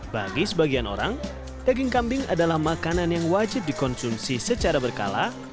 bagi sebagian orang daging kambing adalah makanan yang wajib dikonsumsi secara berkala